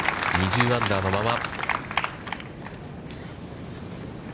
２０アンダーのまま。